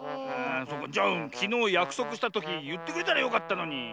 じゃあきのうやくそくしたときいってくれたらよかったのに。